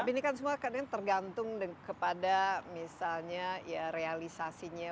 tapi ini kan semua kadang tergantung kepada misalnya ya realisasinya